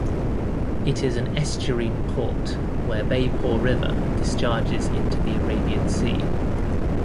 It is an estuarine port, where Beypore river discharges into the Arabian Sea.